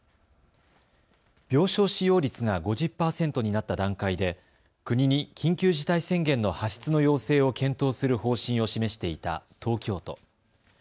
病床使用率が５０％になった段階で国に緊急事態宣言の発出の要請を検討する方針を示していた東京都。